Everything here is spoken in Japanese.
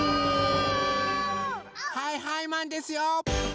はいはいマンですよ！